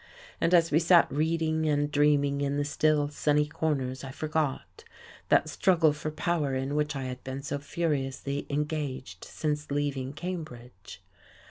And as we sat reading and dreaming in the still, sunny corners I forgot, that struggle for power in which I had been so furiously engaged since leaving Cambridge.